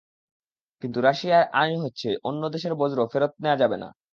কিন্তু রাশিয়ার আইন হচ্ছে, অন্য দেশের বর্জ্য ফেরত নেওয়া যাবে না।